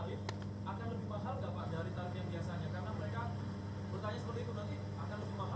karena mereka bertanya seperti itu nanti akan lebih mahal gak